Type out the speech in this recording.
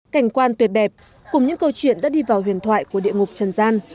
cảnh quan tuyệt đẹp cùng những câu chuyện đã đi vào huyền thoại của địa ngục trần gian